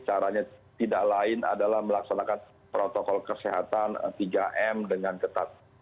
caranya tidak lain adalah melaksanakan protokol kesehatan tiga m dengan ketat